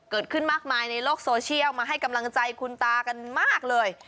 เกิดขึ้นมากมายในโลกโซเชียลมาให้กำลังใจคุณตากันมากเลย